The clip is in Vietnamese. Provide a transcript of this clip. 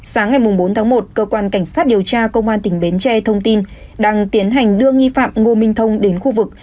sáng ngày bốn tháng một cơ quan cảnh sát điều tra công an tp hcm thông tin đang tiến hành đưa nghi phạm ngô minh thông đến khu vực